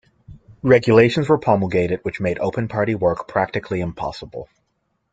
Regulations were promulgated which made open party work practically impossible.